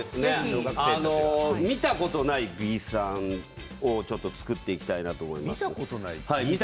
見たことないビーサンを作っていきたいと思います。